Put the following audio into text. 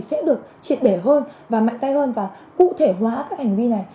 sẽ được triệt để hơn và mạnh tay hơn và cụ thể hóa các hành vi này